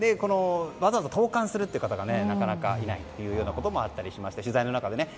わざわざ投函するという方がなかなか、いないということもあったりしまして取材の中では。